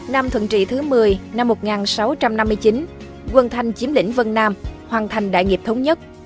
năm thuận trị thứ một mươi năm một nghìn sáu trăm năm mươi chín quân thanh chiếm lĩnh vân nam hoàn thành đại nghiệp thống nhất